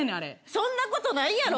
そんなことないやろ。